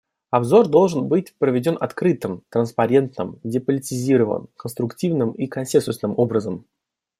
Обзор должен быть проведен открытым, транспарентным, деполитизированным, конструктивным и консенсусным образом.